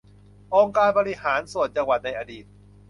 องค์การบริหารส่วนจังหวัดในอดีต